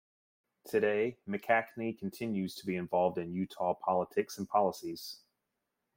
Today McKeachnie continues to be involved in Utah politics and policies.